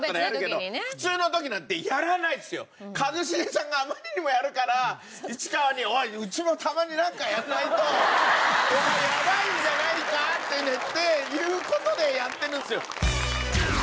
一茂さんがあまりにもやるから市川に「おいうちもたまになんかやんないとやばいんじゃないか？」っていう事でやってるんですよ。